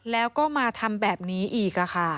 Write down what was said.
แล้วก็มาทำแบบนี้อีกค่ะ